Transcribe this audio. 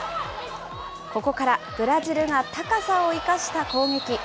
ここからブラジルが高さを生かした攻撃。